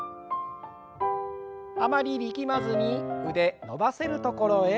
あまり力まずに腕伸ばせるところへ。